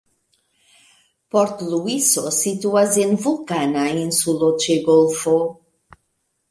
Port-Luiso situas en vulkana insulo ĉe golfo.